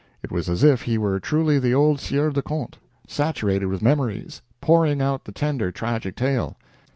It was as if he were truly the old Sieur de Conte, saturated with memories, pouring out the tender, tragic tale.